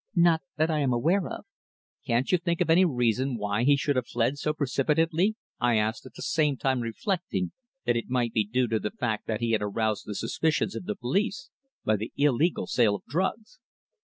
"Not that I am aware of." "Can't you think of any reason why he should have fled so precipitately?" I asked, at the same time reflecting that it might be due to the fact that he had aroused the suspicions of the police by the illegal sale of drugs.